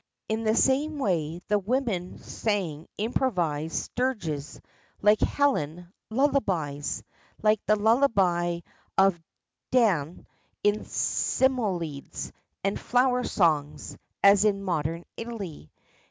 In the same way, the women sang improvised dirges, like Helen; lullabies, like the lullaby of Danæ in Simonides, and flower songs, as in modern Italy.